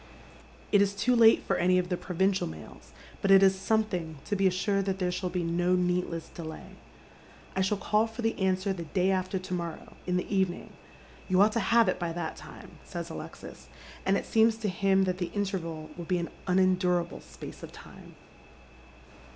It is too late for any of the provincial mails, but it is something to be assured that there shall be no needless delay. " I shall call for the answer the day after to morrow, in the evening. You ought to have it by that time," says Alexis, and it Beems to him that the interval will be an unendurable space of time.